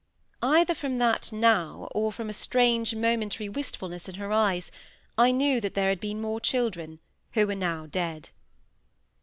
Either from that "now", or from a strange momentary wistfulness in her eyes, I knew that there had been more children, who were now dead.